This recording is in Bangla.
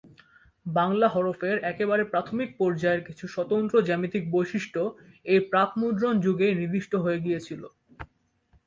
বাংলা হরফের একেবারে প্রাথমিক পর্যায়ের কিছু স্বতন্ত্র জ্যামিতিক বৈশিষ্ট্য এই প্রাক-মুদ্রণ যুগেই নির্দিষ্ট হয়ে গিয়েছিল।